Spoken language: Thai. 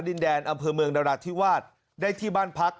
ดินแดนอำเภอเมืองนราธิวาสได้ที่บ้านพัก